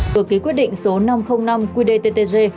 vừa ký quyết định số năm trăm linh năm qdttg